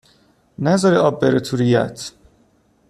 نذاری آب بره تو ریه ات